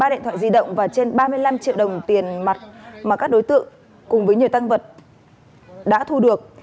ba điện thoại di động và trên ba mươi năm triệu đồng tiền mặt mà các đối tượng cùng với nhiều tăng vật đã thu được